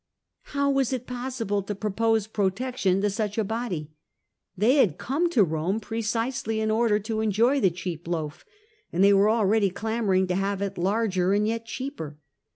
How was it possible to propose Protection to such a body? They had come to Rome precisely in order to enjoy the cheap loaf, and they were already clamouring to have it larger and yet cheaper.